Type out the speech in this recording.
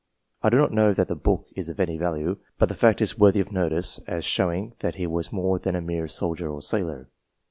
I do not know that the book is of any value, but the fact is worthy of notice as showing that he was more than a mere soldier or sailor.